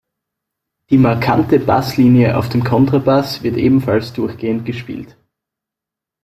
Die markante Bass-Linie auf dem Kontrabass wird ebenfalls durchgehend gespielt.